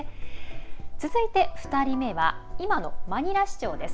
続いて、２人目は今のマニラ市長です。